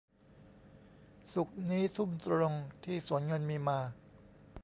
ศุกร์นี้ทุ่มตรงที่สวนเงินมีมา